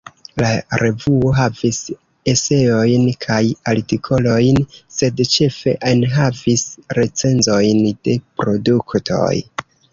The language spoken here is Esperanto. La revuo havis eseojn kaj artikolojn, sed ĉefe enhavis recenzojn de produktoj.